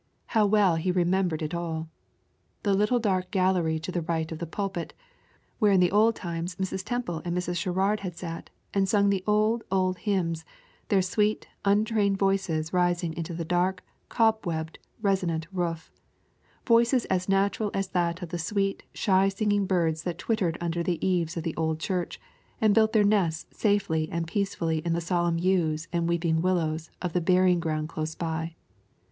How well he remembered it all! the little dark gallery to the right of the pulpit, where in the old times Mrs. Temple and Mrs. Sherrard had sat, and sung the old, old hymns, their sweet, untrained voices rising into the dark, cobwebbed, resonant roof voices as natural as that of the sweet, shy singing birds that twittered under the eaves of the old church, and built their nests safely and peacefully in the solemn yews and weeping willows of the burying ground close by.